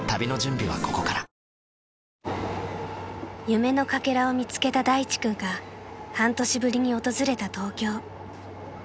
［夢のかけらを見つけた大地君が半年ぶりに訪れた東京］